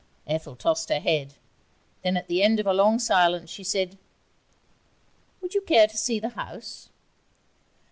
Ethel tossed her head. Then at the end of a long silence she said: 'Would you care to see the house?'